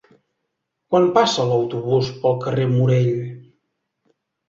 Quan passa l'autobús pel carrer Morell?